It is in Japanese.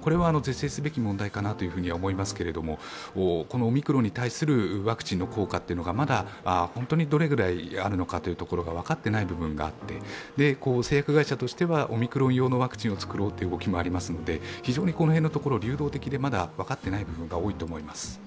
これは是正すべき問題かなと思いますけど、オミクロンに対するワクチンの効果というのが、まだ本当にどれぐらいあるのか分かっていない部分があって製薬会社としてはオミクロン用のワクチンをつくろうという動きもありますので非常にこの辺のところ、流動的でまだ分かっていない部分が多いと思います。